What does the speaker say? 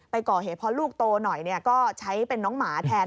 ไปก่อเหตุเพราะลูกโตหน่อยก็ใช้เป็นน้องหมาแทน